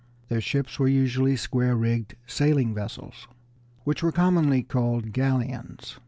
Their ships were usually square rigged sailing vessels, which were commonly called galleons.